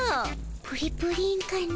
プリプリンかの。